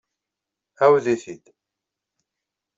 Ɛawed-it-id.